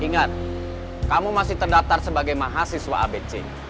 ingat kamu masih terdaftar sebagai mahasiswa abc